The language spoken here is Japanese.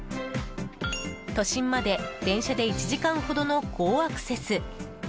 都心まで電車で１時間ほどの好アクセス。